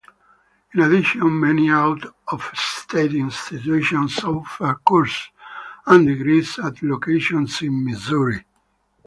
In addition, many out-of-state institutions offer courses and degrees at locations in Missouri.